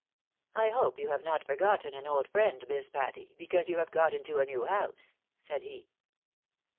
" I hope you have not forgotten an old friend, Miss Patty, because you have got into a new house ?" said he.